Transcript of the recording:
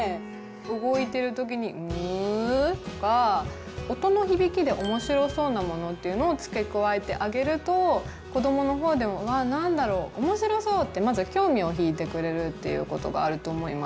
動いてる時にうっとか音の響きでおもしろそうなものっていうのを付け加えてあげると子どもの方でもうわぁ何だろうおもしろそうってまず興味を引いてくれるっていうことがあると思います。